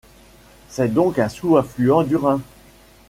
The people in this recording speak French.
C'est donc un sous-affluent du Rhin.